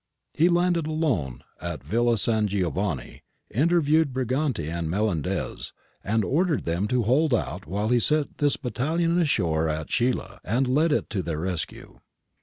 He landed alone at Villa San Giovanni, interviewed Briganti and Melendez, and ordered them to hold out while he set this battalion ashore at Scilla and led it to their rescue.